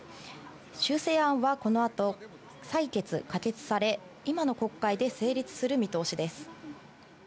修正案はこの後、採決、可決され、今の国会で成立する見通しです。